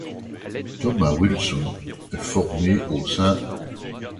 Thomas Wilson est formé au St.